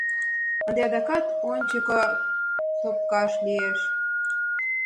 Ынде адакат ончыко топкаш лиеш.